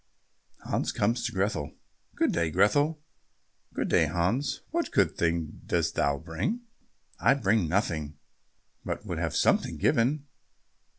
Hans comes to Grethel. "Good day, Grethel." "Good day, Hans." "What good thing dost thou bring?" "I bring nothing, but would have something given."